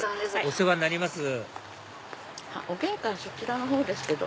お世話になりますお玄関そちらの方ですけど。